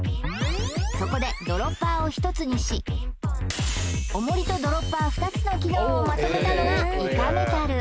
そこでドロッパーを１つにしオモリとドロッパー２つの機能をまとめたのがイカメタル